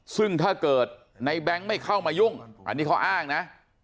ซึ่งถ้าเกิดในแบงค์ไม่เข้ามายุ่งอันนี้เขาอ้างนะ